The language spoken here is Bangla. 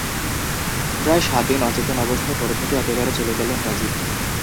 প্রায় সাত দিন অচেতন অবস্থায় পড়ে থেকে একেবারে চলে গেলেন রাজীব।